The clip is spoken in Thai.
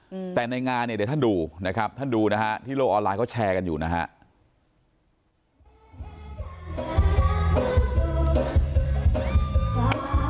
อืมแต่ในงานเนี่ยเดี๋ยวท่านดูนะครับท่านดูนะฮะที่โลกออนไลน์เขาแชร์กันอยู่นะฮะ